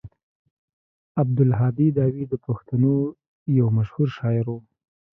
عبدالهادي داوي د پښتنو يو مشهور شاعر و.